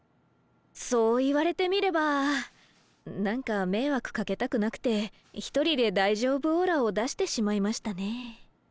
そう言われてみれば何か迷惑かけたくなくて一人で大丈夫オーラを出してしまいましたね。